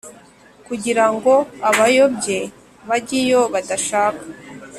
kugira ngo abayobye bajye iyo badashaka.